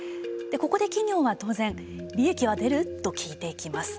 ここで企業は当然「利益は出る？」と聞いていきます。